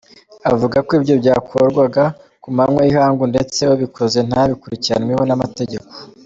Avuga ko ibyo byakorwaga ku manywa y’ihangu ndetse ubikoze ntabikurikiranweho n’amategeko.